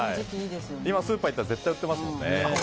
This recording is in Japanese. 今スーパーに行ったら絶対売ってますからね。